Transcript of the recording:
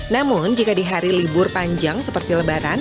namun jika di hari libur panjang seperti lebaran